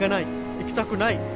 行きたくない。